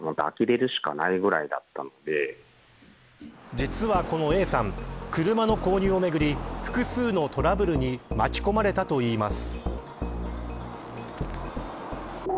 実は、このＡさん車の購入をめぐり複数のトラブルに巻き込まれたといいます。